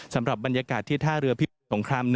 สำหรับบรรยากาศที่ท่าเรือพิบัติสงคราม